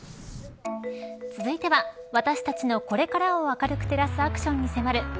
続いては私たちのこれからを明るく照らすアクションに迫る＃